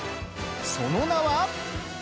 その名は。